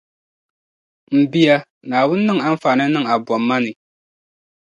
M bia, Naawuni niŋ anfaani niŋ a bomma puuni.